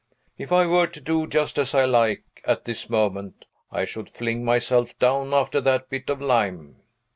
If I were to do just as I like, at this moment, I should fling myself down after that bit of lime.